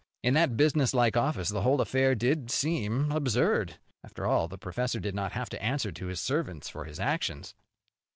In that businesslike office the whole affair did seem absurd. After all the professor did not have to answer to his servants for his actions.